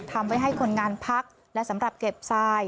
ทำให้คนงานพักและสำหรับเก็บทราย